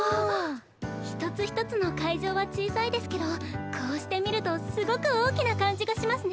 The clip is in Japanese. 一つ一つの会場は小さいですけどこうして見るとすごく大きな感じがしますね。